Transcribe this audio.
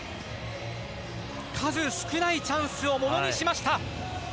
数少ないチャンスをものにしました。